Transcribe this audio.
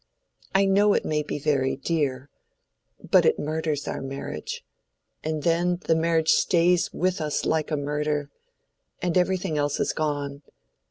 I know it may be very dear—but it murders our marriage—and then the marriage stays with us like a murder—and everything else is gone.